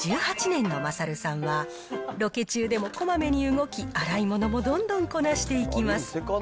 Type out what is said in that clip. アシスタント歴１８年のまさるさんは、ロケ中でもこまめに動き、洗い物もどんどんこなしていきます。